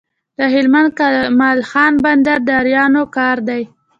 د هلمند کمال خان بند د آرینو کار دی